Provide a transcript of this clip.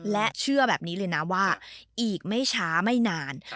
และเชื่อแบบนี้เลยนะว่าอีกไม่ช้าไม่นาน